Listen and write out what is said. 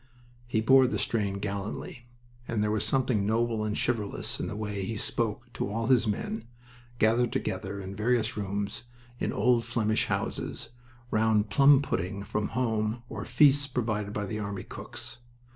He bore the strain gallantly, and there was something noble and chivalrous in the way he spoke to all his men, gathered together in various rooms in old Flemish houses, round plum pudding from home or feasts provided by the army cooks.